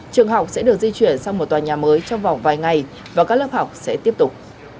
trường học sẽ được di chuyển sang một tòa nhà mới trong vòng vài ngày và các lớp học sẽ tiếp tục